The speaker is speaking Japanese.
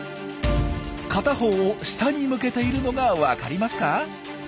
片方を下に向けているのがわかりますか？